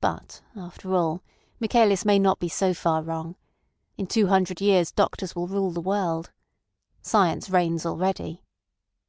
But after all Michaelis may not be so far wrong. In two hundred years doctors will rule the world. Science reigns already.